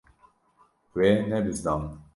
We nebizdand.